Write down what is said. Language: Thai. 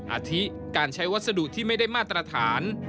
อาทิการใช้วัสดุที่ไม่ได้มาตรฐาน